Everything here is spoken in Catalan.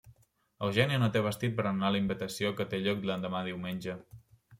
Eugènia no té vestit per anar a la invitació que té lloc l'endemà diumenge.